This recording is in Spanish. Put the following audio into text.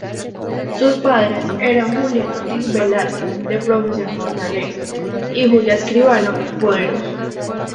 Sus padres eran Julián Ortiz Velarde, de profesión jornalero, y Julia Escribano Poderoso.